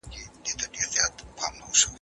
غوړېدلي شنه ځنګلونه لوی سیندونه